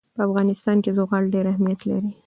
په افغانستان کې زغال ډېر اهمیت لري.